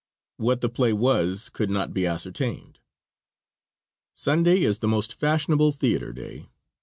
What the play was could not be ascertained. Sunday is the most fashionable theater day.